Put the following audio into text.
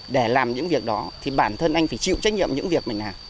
để làm những việc đó thì bản thân anh phải chịu trách nhiệm những việc mình làm